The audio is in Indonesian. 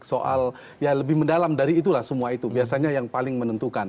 soal ya lebih mendalam dari itulah semua itu biasanya yang paling menentukan